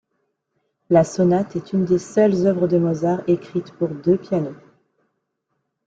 La sonate est une des seules œuvres de Mozart écrites pour deux pianos.